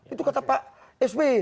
itu kata pak s b